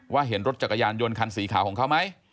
เห็นรถจักรยานยนต์คันสีขาวของเขาไหม